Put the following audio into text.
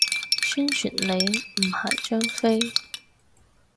宣傳你，唔係張飛